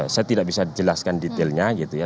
saya tidak bisa jelaskan detailnya gitu ya